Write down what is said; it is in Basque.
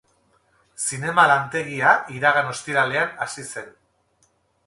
Zinema lantegia iragan ostiralean hasi zen.